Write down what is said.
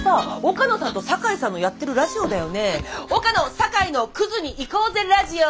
「岡野・酒井のクズにいこうぜラジオ！」